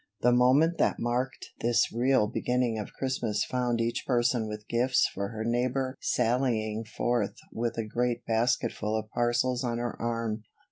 The moment that marked this real beginning of Christmas found each person with gifts for her neighbor sallying forth with a great basketful of parcels on her arm.